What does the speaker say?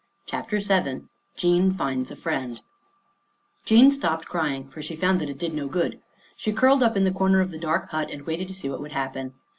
CHAPTER VII JEAN FINDS A FRIEND Jean stopped crying, for she found that it did no good. She curled up in the corner of the dark hut and waited to see what would happen.